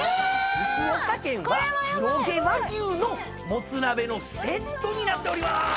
福岡県は黒毛和牛のもつ鍋のセットになっておりまーす。